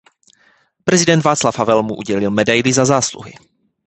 Prezident Václav Havel mu udělil medaili Za zásluhy.